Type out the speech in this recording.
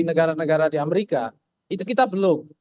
negara negara di amerika itu kita belum